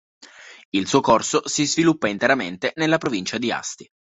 Il suo corso si sviluppa interamente nella provincia di Asti.